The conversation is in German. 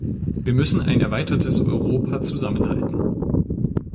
Wir müssen ein erweitertes Europa zusammenhalten.